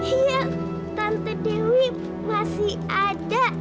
iya tante dewi masih ada